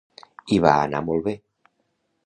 I va anar molt bé.